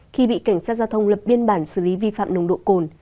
khi bị cảnh sát giao thông lập biên bản xử lý vi phạm nồng độ cồn